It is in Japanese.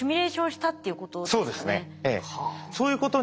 そうですね。